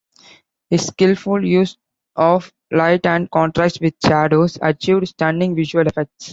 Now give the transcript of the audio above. His skilful use of light and contrast with shadows achieved stunning visual effects.